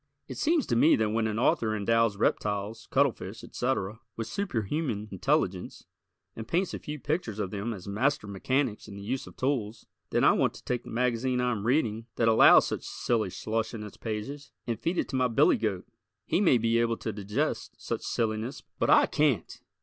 It seems to me that when an author endows reptiles, cuttlefish, etc., with superhuman intelligence, and paints a few pictures of them as master mechanics in the use of tools, then I want to take the magazine I am reading, that allows such silly slush in its pages, and feed it to my billy goat; he may be able to digest such silliness, but I can't!